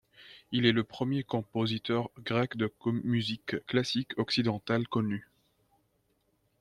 Il est le premier compositeur grec de musique classique occidentale connu.